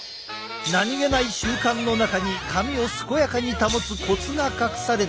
何気ない習慣の中に髪を健やかに保つコツが隠されていた。